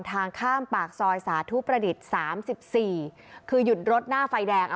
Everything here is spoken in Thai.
ทางข้ามปากซอยสาธุประดิษฐ์๓๔คือหยุดรถหน้าไฟแดง